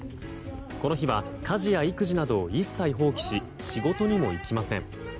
この日は家事や育児などを一切放棄し仕事にも行きません。